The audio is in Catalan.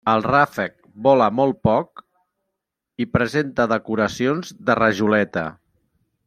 El ràfec vola molt poc i presenta decoracions de rajoleta.